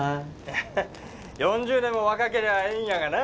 ４０年も若けりゃええんやがな。